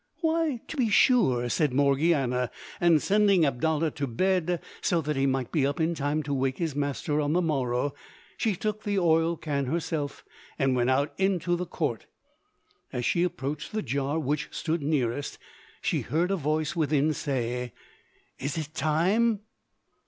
"Why, to be sure!" said Morgiana, and sending Abdallah to bed so that he might be up in time to wake his master on the morrow, she took the oil can herself and went out into the court. As she approached the jar which stood nearest, she heard a voice within say, "Is it time?"